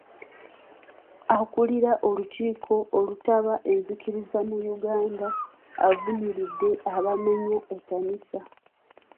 Akulira olukiiko olutaba enzikiriza mu Uganda avumiridde abaamenye ekkanisa.